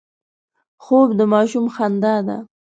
خوب د ماشوم خندا ده